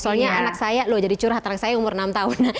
soalnya anak saya loh jadi curhat anak saya umur enam tahun